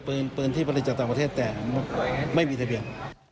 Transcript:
ปืนที่ผลิตจากต่างประเทศแต่ไม่มีทะเบียน